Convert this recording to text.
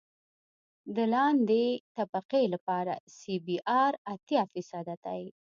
د لاندنۍ طبقې لپاره سی بي ار اتیا فیصده دی